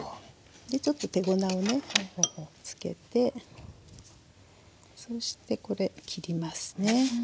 でちょっと手粉をねつけてそしてこれ切りますね。